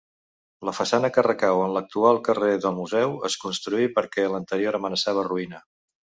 La façana que recau en l'actual carrer del Museu es construí perquè l'anterior amenaçava ruïna.